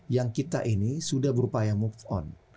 yang kita ini sudah berupaya move on